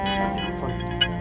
gak ada telepon